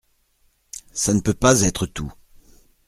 Ça ne peut pas être tout.